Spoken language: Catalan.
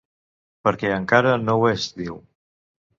Perquè encara no ho és, diu.